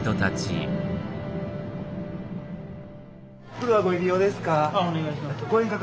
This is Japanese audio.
袋はご入り用ですか？